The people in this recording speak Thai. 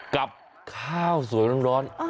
กับข้าวสวยร้อน